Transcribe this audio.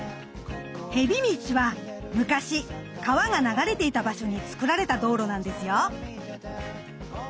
へび道は昔川が流れていた場所に造られた道路なんですよ。